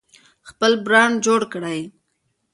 خپل برند جوړ کړئ.